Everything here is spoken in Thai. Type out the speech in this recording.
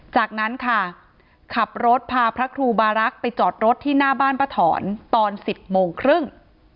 จากนั้นค่ะขับรถพาพระครูบารักษ์ไปจอดรถที่หน้าบ้านป้าถอนตอน๑๐โมงครึ่ง